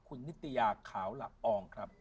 คุณนิตยาขาวหลับอองครับ